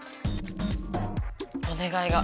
お願いが。